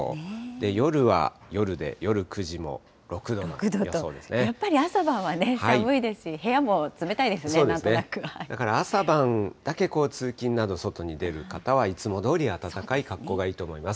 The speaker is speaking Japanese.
夜は夜で、やっぱり朝晩は寒いですし、だから朝晩だけ通勤など、外に出る方は、いつもどおり暖かい格好がいいと思います。